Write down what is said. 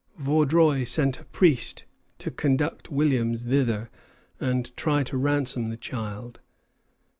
Vaudreuil sent a priest to conduct Williams thither and try to ransom the child.